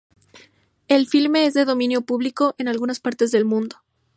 El filme es de dominio público en algunas partes del mundo.